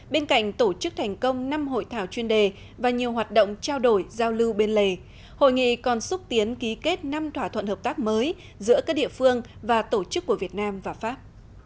bên cạnh tổ chức thành công năm hội thảo chuyên đề và nhiều hoạt động trao đổi giao lưu bên lề hội nghị còn xúc tiến ký kết năm thỏa thuận hợp tác mới giữa các địa phương và tổ chức của việt nam và pháp